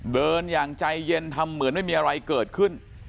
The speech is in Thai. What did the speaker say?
เดินอย่างใจเย็นทำเหมือนไม่มีอะไรเกิดขึ้น